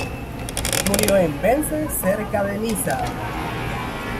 Murió en Vence, cerca de Niza.